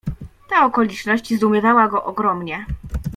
"Ta okoliczność zdumiewała go ogromnie."